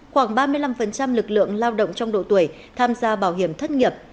khoảng ba mươi năm lực lượng lao động trong độ tuổi tham gia bảo hiểm thất nghiệp